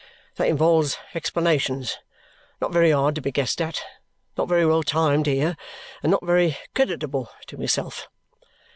That involves explanations not very hard to be guessed at, not very well timed here, and not very creditable to myself.